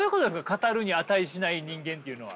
語るに値しない人間っていうのは。